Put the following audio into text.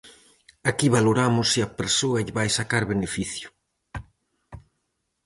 Aquí valoramos se a persoa lle vai sacar beneficio.